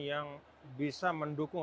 yang bisa mendukung